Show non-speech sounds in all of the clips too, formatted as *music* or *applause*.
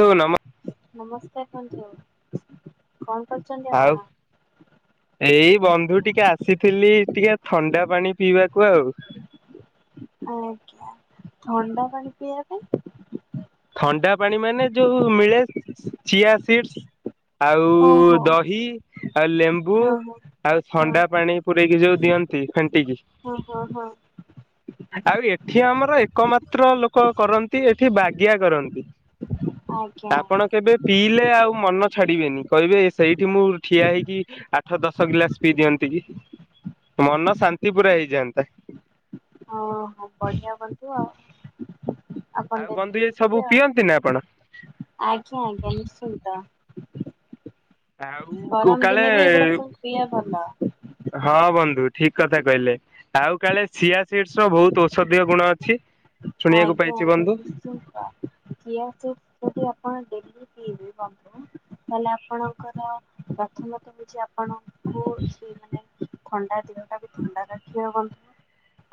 ଦଉ ନମ ନମସ୍କାର କୁନ୍ତୁ ଆଉ ଏଇ ବନ୍ଧୁ ଟିକେ ଆସିଥିଲି ଟିକେ ଥଣ୍ଡା ପାଣି ପିଇବାକୁ ଆଉ ଆଜ୍ଞା ଥଣ୍ଡା ପାଣି ପିଆ ପାଇଁ ଥଣ୍ଡା ପାଣି ମାନେ ଯୋଉ ମିଳେ ଚିଆ ସିଡସ୍ ଆଉ ଓହୋ ଦହି, ଆଉ ଲେମ୍ବୁ, ହଁ ହଁ। ଆଉ ହଁ ଥଣ୍ଡା ପାଣି, ପୁରେଇକି ଯୋଉ ଦିଅନ୍ତି ଫେଣ୍ଟିକି ହଁ ହଁ ହଁ ଆଉ ଏଠି ଆମର ଏକମାତ୍ର ଲୋକ କରନ୍ତି ଏଠି ବାଗି ଆ କରନ୍ତି। ଆଜ୍ଞା ଆପଣ ଆଜ୍ଞା କେବେ ପିଇଲେ ଆଉ ମନ ଛାଡିବେନି କହିବେ ସେଇଠି ମୁଁ ଠିଆ ହେଇକି ଆଠ ଦଶ ଗିଲାସ ପିଇ ଦିଅନ୍ତି କି? ମନ ଶାନ୍ତି ପୁରା ହେଇଯାନ୍ତା। ହ ହୋ ବଢିଆ ବନ୍ଧୁ ଆଉ ଆପଣ ଆଉ ଡେଲି ବନ୍ଧୁ ଏ ସବୁ ପିଉଥିବେ ପିଅନ୍ତି ନା ଆପଣ? ଆଉ ଆଜ୍ଞା ଆଜ୍ଞା ନିଶ୍ଚିନ୍ତ। ଆଉ କୋ ଗରମ କାଳେ ଦିନେ ବି ଏଗୁଡା ସବୁ ପିଇବା ଭଲ। ହଁ ବନ୍ଧୁ। ଠିକ କଥା କହିଲେ ଆଉ କାଳେ ସିଆ ସିଡସ ର ବହୁତ ଔଷଧୀୟ ଗୁଣ ଅ ଆଜ୍ଞା ଆଜ୍ଞା ନିଶ୍ଚିନ୍ତ ଚିଆ ସିଡସ ଯଦି ଆପଣ ଡେ ବନ୍ଧୁ ତାହଲେ ଆପଣଙ୍କର ପ୍ରଥମ ତମିଛି ଆପଣ ହ ସେ ମାନେ ଥଣ୍ଡା ଦେହଟା ବି ଥଣ୍ଡା ରଖି ହବ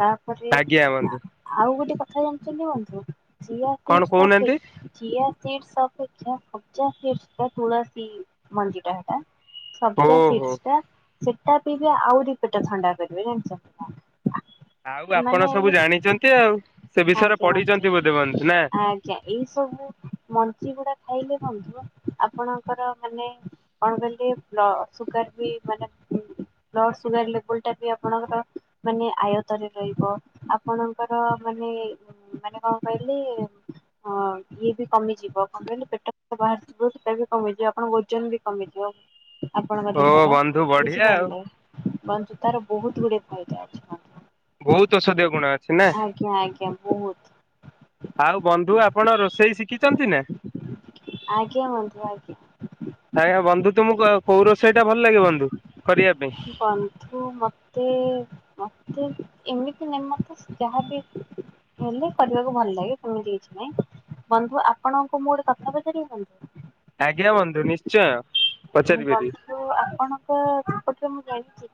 ତାପରେ ଆଜ୍ଞା ବନ୍ଧୁ ଆଉ ଗୋଟେ କଥା ଜାଣିଛନ୍ତି ବନ୍ଧୁ? ଚିଆ କଣ ସିଡସ୍ କହୁନାହାନ୍ତି ପଥିକି ଚିଆ ସିର୍ ସପ୍ ଅପେକ୍ଷା ସବଜା ତୁଳସୀ ମଞଜିଟା ହେଟା ସବଜା ଓହୋ ସିର୍ ଟା ସେଟା ପିଇଲେ ଆହୁରି ପେଟ ଥଣ୍ଡା କରିବେ ଜାଣିଛନ୍ତି ନା। ଆଉ ଆପଣ ମାନେ ସବୁ ଏମି ଜାଣିଛନ୍ତି ଆଉ ସେ ବିଷୟରେ ଆଜ୍ଞା ମ ପଢିଛନ୍ତି ବୋଧେ ବନ୍ଧୁ ନା ଆଜ୍ଞା ଏଇ ସବୁ ମଞ୍ଜି୍ରୀ ଗୁଡା ଖାଇ ବନ୍ଧୁ ଆପଣଙ୍କର ମାନେ କଣ କହିଲେ ସୁଗାର ବି ମାନେ ବ୍ ସୁଗାର ଲେବଲା ବି ଆପଣଙ୍କର ମାନେ ଆୟତରେ ରହିବ ଆପଣଙ୍କର ମାନେ ମାନେ କଣ କହିଲେ ଇଏ ବି କମିଯିବ କଣ କହିଲେ ପେଟ ବାହାରିଥିବ ସେଟା ବି କମିଯିବ ଆପଣଙ୍କ ଓଜନ ବି କମିଯିବ। ଆପଣଙ୍କ ଓ ଦେହର ବନ୍ଧୁ ବଢିଆ ଆଉ। ବୁଝିପାରିଲେ ବନ୍ଧୁ ତାର ବହୁତ ଗୁଡଏ ହେଇଯା ଅଛି ବହୁତ ଔଷଧୀୟ ଗୁଣ ଅଛି ନା? ଆଜ୍ଞା ଆଜ୍ଞା ବହୁତ ଆଉ ବନ୍ଧୁ ଆପଣ ରୋଷେଇ ଶିଖିଛନ୍ତି ନା ଆଜ୍ଞା ବନ୍ଧୁ ଆଜ୍ଞା। ଆଜ୍ଞ ବନ୍ଧୁ ତମକୁ କୋଉ ରୋଷେଇ ଟା ଭଲ ଲାଗେ ବନ୍ଧୁ କରିବା ପାଇଁ ବନ୍ଧୁ ମତେ ମତେ ଏମିତି ନାଇ ମତେ ଯାହାବି ହେଲେ କରିବାକୁ ଭଲ ଲାଗେ କେମିତି କିଛି ନାହିଁ ବନ୍ଧୁ ଆପଣଙ୍କୁ ମୁଁ ଗୋଟେ କଥା ପଚାର ମୁଁ ଆଜ୍ଞା ବନ୍ଧୁ ନିଶ୍ଚୟ। ପଚାରି ପାରିବି କହୁଥିଲି ଆପଣଙ୍କ ସେପଟରେ ମୁଁ ଯାଇଚି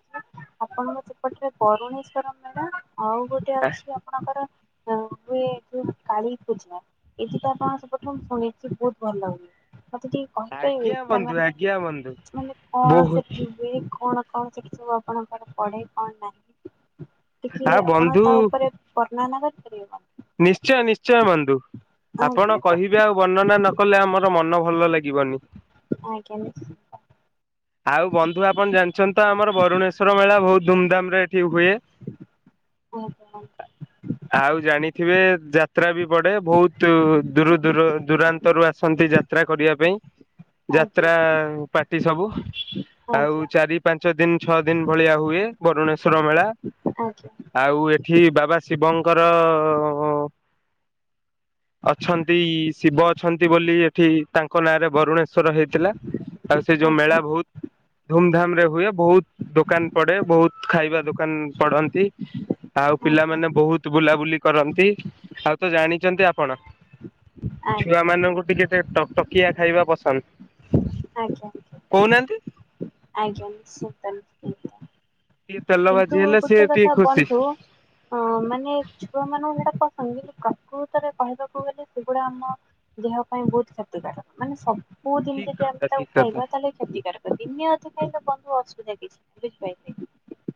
ଆପଣଙ୍କ ସେପଟରେ ବରୁଣେଶ୍ଵର ମେଡ଼ ହଉ ଗୋଟେ ଅଛି ଆ କୋଉଠି କାଳୀ ପୂଜା ଏ ହେଟା କଣ ସେପଟେ ମୁ ସୁଣିଚି ଭ ଭଲ ହୁଏ ମତେ ଟିକେ କହିପାରିବେ ଆଜ୍ଞା ସେଟା ବନ୍ଧୁ ମାନେ ଆଜ୍ଞା ବନ୍ଧୁ ମାନେ କଣ ବହୁତ ସେଠି ହୁଏ କଣ କଣ ସେ କି ସବୁ ଆପଣଙ୍କ ପାଖ ପଡେ କଣ ନାହିଁ ଟିକେ ଆ ଆପଣ ବନ୍ଧୁ ତା ଉପରେ ବର୍ଣାନକରି ପାରିବେ ନା ନିଶ୍ଚୟ ନିଶ୍ଚୟ ବନ୍ଧୁ ଆପଣ ଆଜ୍ଞା କହିବେ ଆଉ ବର୍ଣ୍ଣନା ନ କଲେ ଆମର ମନ ଭଲ ଲାଗିବନି? ଆଜ୍ଞା ନିଶ୍ଚିତ ଆଉ ବନ୍ଧୁ ଆପଣ ଜାଣିଛନ୍ତି ଆମର ବରୁଣେଶ୍ଵର ମେଳା ବହୁତ ଧୁମ୍ ଧାମରେ ଏଠି ହୁଏ ଆଜ୍ଞା ଆଉ ଜାଣି ଥିବେ ଯାତ୍ରା ବି ପଡେ ବହୁତ ଦୂର ଦୂର ଦୂରାନ୍ତରୁ ଆସନ୍ତି ଯାତ୍ରା କରିବା ପାଇଁ। ଆଜ୍ଞା ଯାତ୍ରା ପାର୍ଟି ସବୁ ଆଉ ଆଜ୍ଞା ଚାରି ପାଞ୍ଚ ଦିନ ଛଅ ଦିନ ଭଳିଆ ହୁଏ ବରୁଣେଶ୍ଵର ମେଳା ଆଜ୍ଞା। ଆଉ ଏଠି ବାବା ଶିବଙ୍କର ଅଛନ୍ତି ଶିବ ଅଛନ୍ତି ବୋଲି ଏଠି ତାଙ୍କ ନାଁରେ ବରୁଣେଶ ସ୍ୱର ହେଇଥିଲା ଆଉ ସେ ଯୋଉ ଆଜ୍ଞା ମେଳା ବହୁତ ଧୁମଧାମ ରେ ହୁଏ ବହୁତ ଦୋକାନ ପଡେ ବହୁତ ଖାଇବା ଦୋକ କାନ ପଢନ୍ତି, ଆଉ ଆଜ୍ଞା ପିଲାମାନେ ବହୁତ ବୁଲାବୁଲି କରନ୍ତି। ଆଉ ତ ଜାଣି *inaudible* କଣ ଛୁଆ ଆଜ୍ଞା ମାନଙ୍କୁ ଟିକେ ଟେ ଟକ୍ ଟକ୍ କିିଆ ଖାଇବା ପସନ୍ଦ? ଆଜ୍ଞା। କହୁନାହାନ୍ତି। ଆଜ୍ଞା ସେ ତାଲ୍ *unintelligible* ଟିକେ ତେଲ ଭାଜି କିନ୍ତୁ ହେଲେ ସିଏ ଗୋଟେ ଟିକେ କଥା ଖୁସି ବନ୍ଧୁ ଅଁ ମାନେ ଛୁଆ ମାନଙ୍କୁ ହେଟା କ *unintelligible* ପ୍ରକୃତରେ କହିବାକୁ ଗଲେ ସେଗୁଡା ଆମ ଦେହ ପାଇଁ ବହୁତ କ୍ଷତିକାରକ ମାନେ ସବ ସବୁଦିନ ଠିକ ଯଦି ଆମେ କଥା ଠିକ ତାକୁ କଥା। ଖାଇବା ତାହେଲେ କ୍ଷତିକାରକ। ଦିନେ ଅଧେ ଖାଇ ଖାଇଲେ କ ପୁଅ ଅସୁବିଧା କିଛି ବୁଝପାଇଲିନି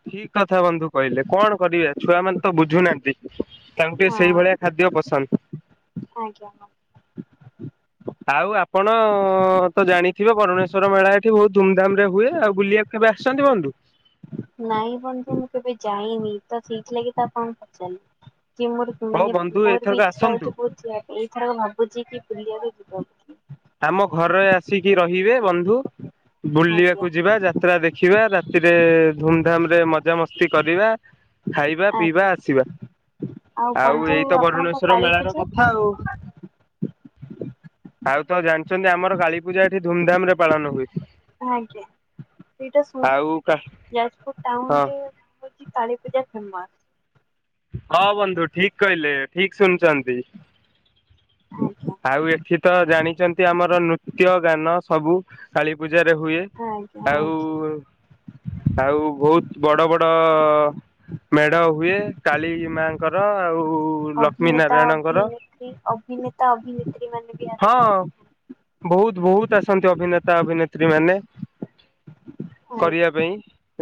ଠିକ ଥା ବନ୍ଧୁ କହିଲେ କଣ କରିବା ଛୁଆମାନେେ ତ ବୁ ଝୁନାହାନ୍ତି ତାଙ୍କୁ ଟିକେ ସେଇ ହଁ ଭଳିଆ ଖାଦ୍ୟ ପସନ୍ଦ ଆଜ୍ଞା। ଆଉ ଆପଣ ତ ଜାଣିଥିବେ ବାରୁନେଶ୍ୱର ମେଳା ଏଠି ବହୁତ ଧୁମ୍ ଧାମ୍ ରେ ହୁଏ ଆଉ ବୁଲିବା କେବେ ଆସିଚନ୍ତି ବନ୍ଧୁ? ନାଇଁ ବନ୍ଧୁ ମୁଁ କେବେ ଯାଇନି ତ ସେଇଥିଲାଗି ପାପାଙ୍କୁ ପଚାରିଲି କି ମୋର ହଉ ମାନେ ବନ୍ଧୁ ମୋର ବି ଏଥରକ ଇଚ୍ଛା ଆସନ୍ତୁ ହଉଛି ବହୁତ ଏଇଥର ଭାବୁଛି କି ବୁଲିବାକୁ ଯିବୁ *inaudible* ଆମ ଘରେ ଆସିକି ରହିବେ ବନ୍ଧୁ ବୁଲିବାକୁ ଆଜ୍ଞା ଯିବା, ଯାତ୍ରା ଦେଖିବା, ରାତିରେ ଧୂମ୍ ଧାମ୍ ରେ ମଜା ମସ୍ତି କରିବା, ଖାଇବା ପିଇବା ଆଜ୍ଞା ଆସିବା। ଆଉ ବନ୍ଧୁ ଏଇତ ଆପଣଙ୍କ ବରୁଣେଶ୍ଵର କାଳୀ ମେଳାର ପୂଜା କଥା ଆଉ। ତ ଜାଣିଛନ୍ତି ଆମର କାଳୀ ପୂଜା ଏଠି ଧୁମଧାମ ରେ ପାଳନ ହୁଏ। ଆଜ୍ଞା। ସେଇଟା ଆଉ ଶୁଣିଛି କା କି ଯାଜପୁର ହଁ ଟାଉନରେ ହଉଛି କାଳୀ ପୂଜା ଫେମସ ହଁ ବନ୍ଧୁ ଠିକ କହିଲେ ଠିକ ଶୁନି ଚନ୍ତି ଆଜ୍ଞା। ଆଉ ଏଠି ତ ଜାଣିଚନ୍ତି ଆମର ନୃତ୍ୟ ଗାନ ସବୁ କାଳି ପୂଜ ଜାରେ ହୁଏ ଆଜ୍ଞା ଆଉ ଆଜ୍ଞା ଆଉ ବହୁତ ବଡ ବଡ଼ ମେଢ ହୁଏ। କାଳୀ ମାଙ୍କର ଆଉ ଲକ୍ଷ୍ମୀ ଅଭିନେତା ନାରାୟଣଙ୍କର ଅଭିନେତ୍ରୀ ଅଭିନେତା ଅଭିନେତ୍ରୀ ମାନେ ବି ହଁ ଆସନ୍ତି। ବହୁତ ବହୁତ ଆସନ୍ତି ଅଭିନେତା ଅଭିନେତ୍ରୀ ମାନେ। କରିବା ପାଇଁ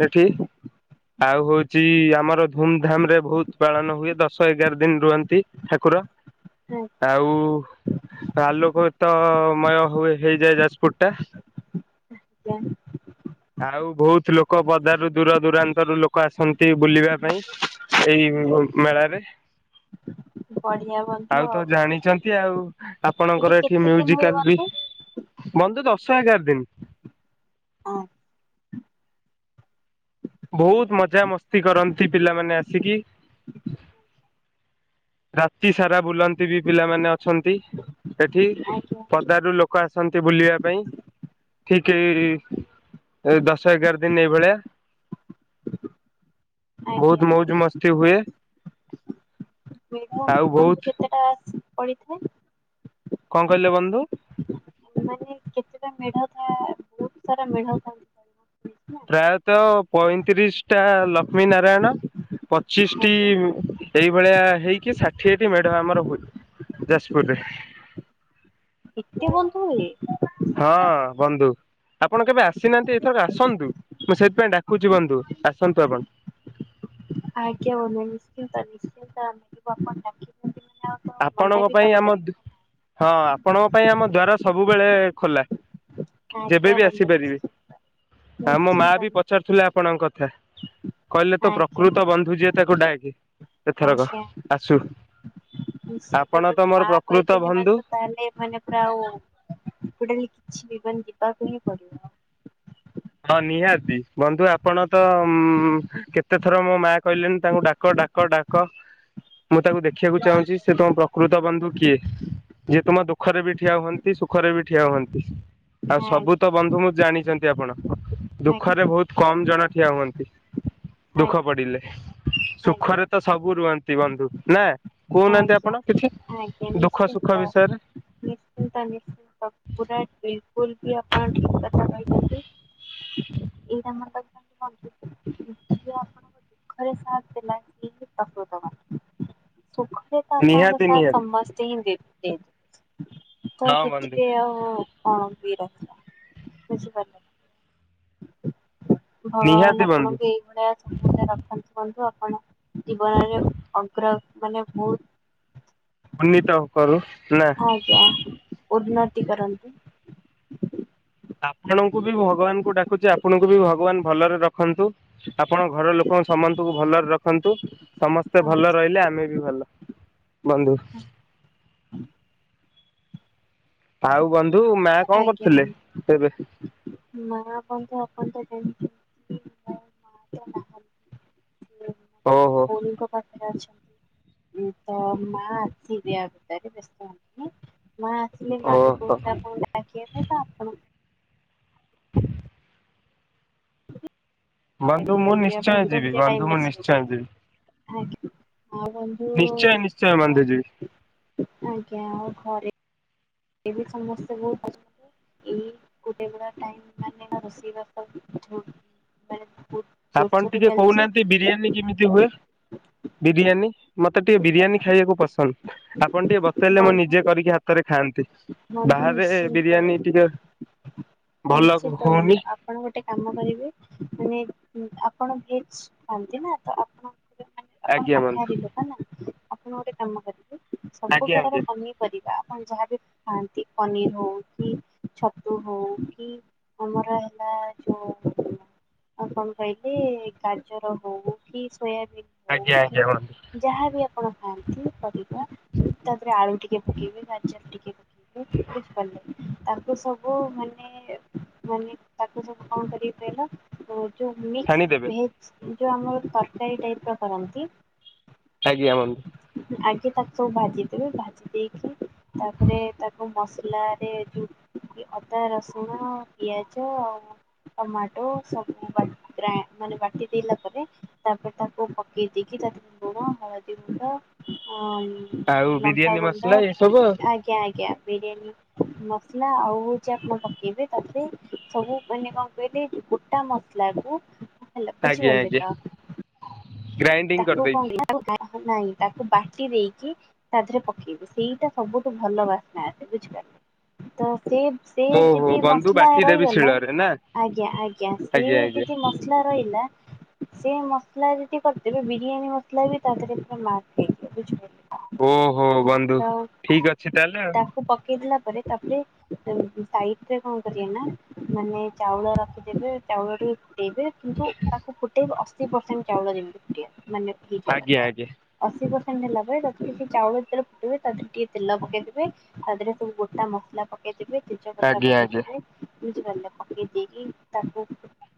ଏଠି। ଆଉ ହଉଚି ଆମର ଧୁମ୍ ଧାମ୍ ରେ ବହୁତ ପାଳନ ହୁଏ, ଦଶ ଏଗାର ଦିନ ରୁହନ୍ତ ନ୍ତି ଠାକୁର ଆଜ୍ଞା ଆଉ ଆଲୋକ ତ ସମୟ ହୁଏ ହେଇଯାଏ ଯାଜପୁର ଟା ଆଜ୍ଞା ଆଉ ବହୁତ ଲୋକ କ ବଦାରୁରୁ ଦୂର ଦୂରାନ୍ତରୁ ଲୋକ ଆସନ୍ତି। ସେ ବୁଲିବା ପାଇଁ। ମେ-ମେଳାରେ ବଢିଆ ବନ୍ଧୁ ଆଉ ତ ଜାଣିଛନ୍ତି ଆଉ। ଆପଣଙ୍କର ଏଠି କେତେ ଦିନ ହୁଏ ମ୍ୟୁଜିକାଲ୍ ବି ବନ୍ଧୁ? ବନ୍ଧୁ ଦଶ ଏଗାର ଦିନ। ଅଁ, ବହୁତ ମଜା ମସ୍ତି କରନ୍ତି ପିଲାମାନେ ଆସିକି। ରାତି ସାରା ବୁଲନ୍ତ। ପିବି ପିଲାମାନେ ଅଛନ୍ତି ଏଠି ଆଜ୍ଞା। ପଦାରୁରୁ ଲୋକ ଆସନ୍ତି ବୁଲିବା ପାଇଁ ଠିକ୍ ଇ-ଇ ଏ ଦଶ ଏଗାର ଦିନ ଏଇ ଭଳିଆ ଆଜ୍ଞା ବହୁତ ମ୍ୟାମ୍। ମୌଜ ମସ୍ତି ହୁଏ। *unintelligible* ଆଉ ବହୁତ କେତେ ଟା ଅଛି? ପଡ଼ିଥାଏ। କଣ କହିଲେ ବନ୍ଧୁ? ମାନେ କେତେଟା ମେଢ଼ଥାଏ ବହୁତ ସାରା ମେଢ଼ଥାନ୍ତି। ପ୍ରାୟତଃ ପଇଁତିରିଶ ଟା ଲକ୍ଷ୍ମୀ ନାରାୟଣ ପଚିଶଟି ଆଜ୍ଞା ଏଇଭଳିଆ ହେଇ କି ଷାଠିଏଟି ମେଢ ଆମର ହୁଏ ଯାଜପୁରରେ। ଏତେ ବନ୍ଧୁ ହୁଏ। ହଁ ବନ୍ଧୁ। ଆପଣ କେବେ ଆସିନାହାଁନ୍ତି ଏଥରକ ଆସନ୍ତୁ। ମୁଁ ସେଥିପାଇଁ ଡାକୁଛି ବନ୍ଧୁ ଆସନ୍ତୁ ଆପଣ। ଆଜ୍ଞା ବନ୍ଧୁ ନିଶ୍ଚିନ୍ତ ନିଶ୍ଚିନ୍ତ ଆମକୁ ବାପା ଡାକିଛନ୍ତି ମାନେ ଆଉ ତ ମନା ଆପଣଙ୍କ ବି ପାଇଁ ଆମ କରିପାରିବୁ ଦୁ ହଁ ଆପଣଙ୍କ ପାଇଁ ଆମ ଦ୍ୱାର ସବୁବେଳେ ଖୋଲା। ଯେବେ ଆଜ୍ଞା ବି ବନ୍ଧୁ ଆସିପାରିବି ନିଶ୍ଚିନ୍ତ ଆମ ମା ନିଶ୍ଚିନ୍ତ ବି ପଚାରୁଥିଲେ ଆପ୍ ନିଶ୍ଚିନ୍ତ ଆପଣଙ୍କ କଥା କହିଲେ ତ ଆଜ୍ଞା ପ୍ରକୃତ ବନ୍ଧୁ ଯିଏ ତାକୁ ଡାକ୍। *inaudible* ଏଥର କ ଆସୁ ନିଶ୍ଚ ତ ଆପଣ ଯୋଉ ମୋର ମା ପ୍ରକୃତ କହିଛନ୍ତି ମାନେ ବନ୍ଧୁ। ତ ତାହେଲେ ମାନେ ପୁରା ଜୋତାକି କିଛି *inaudible* ଯିବାକୁ ହିଁ ପଡିବ ହଁ ନିହାତି ବନ୍ଧୁ ଆପଣ ତ କେତେ ଥର ମୋ ମା କହିଲେନ ତାଙ୍କୁ ଡାକ ଡାକ ଡାକ ମୁଁ ତାକୁ ଦେଖିବାକୁ ଚାହୁଁଛି ସେ ତମ ପ୍ରକୃତ ବନ୍ଧୁ କିଏ। ଯିଏ ତୁମ ଦୁଃଖରେ ବି ଠିଆ ହୁଅନ୍ତି ସୁଖରେ ବି ଠିଆ ହୁଅନ୍ତି। ଆଉ ସବୁତ ଆଜ୍ଞା ବନ୍ଧୁ ମୁଁ ଆପଣ ଜାଣିଛନ୍ତି। ଆପଣ। ଦୁଃଖରେ ଆଜ୍ଞା ବହୁତ କମ ଜଣ ଠିଆ ହୁଅନ୍ତି। ଦୁଃଖ ଆଜ୍ଞା ପଡିଲେ ଆଜ୍ଞା ସୁଖରେ ତ ସବୁ ରୁହନ୍ତି। ସେ ବନ୍ଧୁ ନାଁ ଆଜ୍ଞା ଆଜ୍ଞା ଦୁଃଖ ସୁଖ ନିଶ୍ଚିନ୍ତ ବିଷୟରେ ନିଶ୍ଚିନ୍ତ ନିଶ୍ଚିନ୍ତ ପୁରା ବିଲକୁଲ ବି ଆପଣ ଠିକ କଥା କହିଛନ୍ତି। ଏଇଟା ଆର ଝିଅ ଆପଣଙ୍କ ଦୁଃଖରେ ସାତ୍ ଦେଲା ସିଏ ପ୍ରକୃତ୍ ବନ୍ଧୁ।। ସୁଖରେ ତ ଆପଣଙ୍କ ନିହାତି ସାତ ନିହାତି ସମସ୍ତେ ଦେବେ। ଏ ତ ହଁ ସେଠୀ ବନ୍ଧୁ ଏ ଆଉ ହ ବନ୍ୟ ନିଶ୍ଚିତ। ଭଗବାନ ନିହାତି ବନ୍ଧୁ ଆପଣଙ୍କୁ ଏଇଭଳିଆ ସବୁବେଳେ ରଖନ୍ତୁ ବନ୍ଧୁ ଆଉ। ଆ ଜୀବନରେ ଅଗ୍ର ମାନେ ବହୁତ ଉନ୍ନୀତ କରୁ ନା। ସ୍ଥିି କରନ୍ତୁ। ଆପଣଙ୍କୁ ବି ଭଗବାନଙ୍କୁ ଡାକୁଛି ଆପଣଙ୍କୁ ବି ଭଗବାନ ଭଲରେ ରଖନ୍ତୁ। ଆପଣ ଘର ଲୋକ ସମସ୍ତଙ୍କୁ ଭଲରେ ରଖନ୍ତୁ ସମସ୍ତେ ଭଲ ଆଜ୍ଞା। ରହିଲେ ଆମେ ବି ଭଲ ବନ୍ଧୁ। ଆଉ ବନ୍ଧୁ ମା କଣ ଆଜ୍ଞ କରୁଥିଲେ ଏବେ? *inaudible* ମା *inaudible* ଓ ହୋ। ଆଛା। ତ ମା ଆତି ଦେୟ ଭିତରେ ବ୍ୟସ୍ତ ହୁଅନ୍ତିନି। ମା ଆସିଲେ ମା ବି ଓହୋ କହୁଥିଲେ ଆପଣ ତ ଆପଣ *inaudible* ବନ୍ଧୁ ମୁଁ ଡାକିଲେ ଆପଣ ନିଶ୍ଚୟ ଦୁର୍ଗା ଯିବି ପୂଜା ବନ୍ଧୁ ମୁଁ ଟାଇମରେ ଆସିବେ। ନିଶ୍ଚୟ ଯିବି। ଆଜ୍ଞା। ହଁ ବନ୍ଧୁ ନିଶ୍ଚୟ ନିଶ୍ଚୟ ବନ୍ଧୁ ଯିବି। ଆଜ୍ଞା। ଆ ଘରେ ଏବେ ସମସ୍ତେ ବହୁତ ପ ଏଇ ଗୋଟେ ଗ ଟାଇମ ମାନେ ରୋଷେଇବାସ ବହୁତ ଆପଣ ଜୋରସୋରରେ ଟିକେ ଚାଲିଛି କହୁନାହାନ୍ତି ବିରିୟାନୀ କେମିତି ହୁଏ? ବିରିୟାନୀ ମତେ ଟିକେ ବିରିୟାନୀ ଖାଇବାକୁ ପସନ୍ଦ ଆପଣ ଟିକେ ବତେଇଲେ ମୁଁ ନିଜେ ବନ୍ଧୁ କରିକି ହାତରେ ଖାଆନ୍ତି ବନ୍ଧୁ ବାହାରେ ନିଶ୍ଚିନ୍ତ ବିରିୟାନୀ ଟିକେ ଭଲ ନିଶ୍ଚିନ୍ତ ହଉନି ବନ୍ଧୁ ଆପଣ ଗୋଟେ କାମ କରିବେ ମାନେ ଆପ ଆପଣ ଭେଜ ଖାଆନ୍ତି ନା ତ ଆପଣ ମାନେ ଆଜ୍ଞ ଶାକାହାରୀ ମନ୍ତ ଲୋକ ନା ଆପଣ ଗୋଟେ କାମ କରିବେ ସବୁ ପ୍ରଡରେ ଆଜ୍ଞା କମେଇ ପାରିବ। ହ ଯାହାବି ଖାଆନ୍ତି ପନିର ହଉ କି ଛତୁ ହଉ କି ଆମର ହେଲା ଯୋଉ କଣ କହିଲେ ଗାଜର ହଉ କି ହଉ ଆଜ୍ଞା କି ଆଜ୍ଞା ବନ୍ଧୁ ଯାହାବି ଆପଣ ଖାଆନ୍ତି ପରିବା ତାଧୀରେ ଆଳୁ ଟିକେ ପକେଇ ବି ପାରି ଟିକେ *unintelligible* ତାକୁ ସବୁ ମାନେ ମାନେ ତାକୁ ସବୁ କଣ କରିବ କହିଲ ମିକ୍ସ ଛାଣିଦେବେ ଭେଜ ଉ ଯଉ ଆମର ତରକାରୀ ଟାଇପ ର କରନ୍ତି ଆଜ୍ଞା। ଆଗେ ତାକୁ ସବୁ ଭାଜିଦେବେ ଭାଜି ଦେଇକି ତାପରେ ତାକୁ ମସଲାରେ ଯୋଉ ଅଦା, ରସୁଣ, ପିଆଜ ଆଉ ଟମାଟୋ ସବୁ ବା ଗ୍ରା ମାନେ ବାଟିଦଲା ପରେ ତାପରେ ତାକୁ ପକାଇ ଦେଇକି ତାଧିରେ ଲୁଣ ହଳଦୀ ଗୁଣ୍ଡ ଅମ୍ ଆଉ ବିରିୟାନୀ ମସଲା ଏ ସବୁ ଆଉ ଆଜ୍ଞା ଆଜ୍ଞା। ବିରିୟାନୀ ମସଲା ଆଉ ହଉଚି ଆପଣ ପକେଇବେ ତାପରେ ସବୁ ମାନେ କଣ କହିଲେ ଗୋଟା ମସଲା କୁ ବୁଝିପାରିଲେ ତ। ଗ୍ରାଇଡିଂ ତାକୁ କରିଦେଇଛି। କଣ ତାକୁ ନାଇଁ ତାକୁ ବାଟି ଦେଇକି ତା ଦେହରେ ପକେଇବୁ ସେଇଟା ସବୁଠୁ ଭଲ ବାସ୍ନା ଅଛି ବୁଝିପାରିଲ ତ ସେ ସେ ଓହୋ ଯଦି ବନ୍ଧୁ ମସଲା ବାଟି ଦେବି ରହିଗଲା ଶିଳରେ ନା ଆଜ୍ଞା ଆଜ୍ଞା ସେ ଯଦି ମସଲା ରହିଲା ସେ ମସଲା ଯଦି ବିରିୟାନୀ ମସଲା ବି ତାଧୀରେ ପୁରା ମାରଦେଇଥିଲେ ବୁଝିପାଇଲୁ କି। ଓ ହୋ ବନ୍ଧୁ ଠିକ ଅଛି ତାହେଲେ ତାକୁ ପକେଇଦେଲା ପରେ ଆଉ। ତାପରେ ସାଇଡ ରେ କଣ କରିବେ ନା ମାନେ ଚାଉଳ ରଖିଦେବେ ଚାଉଳ ରୁ କିନ୍ତୁ ତାକୁ *inaudible* ପର୍ସେଣ୍ଟ ଚାଉଳ ଯେମିତି କିଏ ମାନେ ଆଜ୍ଞା ଆଜ୍ଞା *unintelligible* ଆସିବ। ପାଣି ହେଲା ପରେ *unintelligible* ଚାଉଳ ଯେତେବେଳେ ଫୁଟିବ ତାଧେରେ ଟିକେ ତେଲ ପକେଇଦେବେ ତାଧେରେ ସବୁ ଗୋଟା ମସଲା ପକେଇଥିବେ ତେଜପତ୍ର ଆଜ୍ଞା ଆଜ୍ଞା ପକେଇଦେବେ ବୁଝି ପାରିଲ, ପକେଇ ଦେଇକି ତାକୁ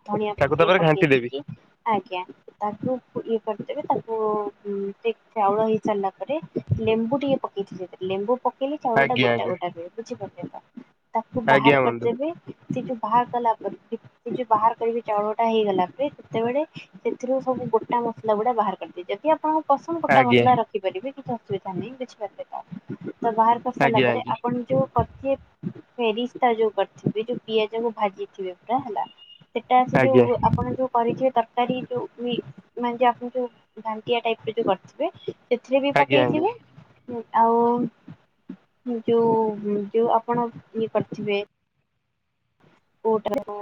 ଧଣିଆ ପତ୍ର ତାକୁ ଟିକେ ତାପରେ ପକେଇ ଘାଣ୍ଟି ଦେବି ଦେଇକି ଆ ଆଜ୍ଞା ତାକୁ ଇଏ କରିଦେବେ ତାକୁ ଉଁ ଟିକ ଚାଉଳ ହେଇ ସାରିଲା ପରେ ଲେମ୍ବୁ ଟିକେ ପକେଇଥିବେ ଲେମ୍ବୁ ପକେଇଲି ଚାଉଳ ଆଜ୍ଞା ଗୋଟ ଆଜ୍ଞା। ଗୋଟା ହୁଏ ବୁଝି ପା ତାକୁ ଆଜ୍ଞା ବାହାର ବନ୍ଧୁ କରିଦେବେ। ସେ ଯୋଉ ବାହାର କଲା ପରେ *unintelligible* ସେ ଯୋ ବାହାର କରିକି ଚାଉଳ ଟା ହେଇଗଲା ପରେ, ସେତେବେଳେ ସେଥିରୁ ସବୁ ଗୋ ଟା ମସଲା ଗୁଡା ବାହାର କରିଦେଇ ଯଦି ଆପଣଙ୍କ ପସନ୍ଦ ଗୋଟା ଆଜ୍ଞା ମସଲା ରଖିପାରିବେ କିଛି ଅସ *unintelligible* କିଛି *unintelligible* ତ ବାହାର କରି ସାରିଲା ଆଜ୍ଞା ପରେ ଆଜ୍ଞା ଆପଣ ଯୋଉ କରିଥିଏ ଫେରିସ୍ ଟା ଯୋଉ କରିଥିବେ ଯୋଉ ପିଆଜ କୁ ଭାଜିଥିବେ ପୁରା ହେଲା ସେଟା ସେ ଆଜ୍ଞା ଯୋଉ ଆପଣ ଯୋଉ କରିଥିବେ ତର କାରି ଯୋଉ ଇ ମାନେ ଯୋଉ ଆପଣ ଯୋଉ ଘାଣ୍ଟିଆ ଟାଇପ୍ ରେ ଯୋଉ କରିଥିବେ ସେଥିରେ ବି ଆଜ୍ଞା ପକେଇଥିବେ ଉଁ, ଆଉ ଯୋଉ ଉଁ ଯୋଉ ଆପଣ ଇଏ କରିଥିବେ କୋଉଟାକୁ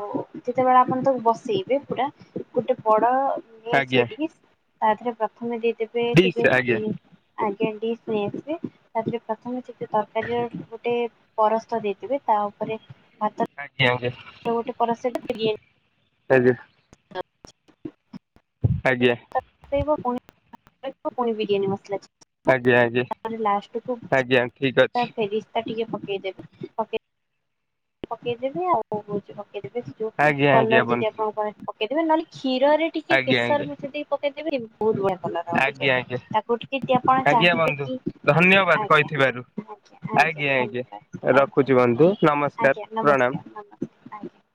ଯେତେବେଳେ ଆପଣ ତାକୁ ବସେଇବେ ପୁରା ଗୋଟେ ବଡ ଆଜ୍ଞା ଆଜ୍ଞା। ସୁଇଟିକିସ୍ ତା ଧେରେ ପ୍ରଥମେ ଦେ ଦେବେ ସେ ଡିସ୍ ଯୋଉ ଆଜ୍ଞା ଉଁ ଆଜ୍ଞା ଡିସ୍ ନେଇ ଆସିବେ, ତା ଧେରେ ପ୍ରଥମେ ସେ ଯେ ତରକାରୀର ଗୋଟେ ପରସ୍ତ ଦେଇଥିବେ ତା ଉପରେ ଆ ଆଜ୍ଞା ଆଜ୍ଞା। ଯୋଉ ଗୋଟେ ପରସ ଫେର ଇଏ ଆଜ୍ଞା। *inaudible* *unintelligible* ପୁଣି ଆଜ୍ଞା *inaudible* ପୁଣି ବିରୟାନୀ ମସଲା *unintelligible* ଆଜ୍ଞା ଆଜ୍ଞା ଆଜ୍ଞା ଠି ତ ଫେରିସ୍ ଟା ଟିକେ ପକେଇ ଦେବେ ପକେଇ ପକେଇ ଦେବେ ଆଉ *unintelligible* ପକେଇ ଦେବେ ସେ ଯୋଉ ଆଜ୍ଞା ଆଜ୍ଞା କଲର୍ ଯଦି ବନ୍ଧୁ ଆପଣ ପାଆନ୍ତି ପ। *unintelligible* କ୍ଷୀରରେ ଟିକେ ଆଜ୍ଞା ଆଜ୍ଞା କେଶର ମିସେଇ ଦେଇକି ପ। *unintelligible* ଆଜ୍ଞା ଆଜ୍ଞା ଯଦି ଆପଣ ଆଜ୍ଞା ଚାହିଁବେ ବନ୍ଧୁ କି ଧନ୍ୟବାଦ ଆଜ୍ଞା। କହିଥିବାରୁ ଆଜ୍ଞା ଆଜ୍ଞା ଧନ୍ୟବାଦ ଆଜ୍ଞା ଆଜ୍ଞା ରଖୁଛିୁ ବନ୍ଧୁ ନମ ଆଜ୍ଞା ନମସ୍କାର ନମସ୍କାର। ଆଜ୍ଞା।